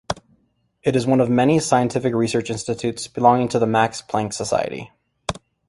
It is one of many scientific research institutes belonging to the Max Planck Society.